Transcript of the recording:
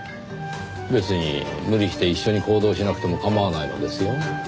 別に無理して一緒に行動しなくても構わないのですよ。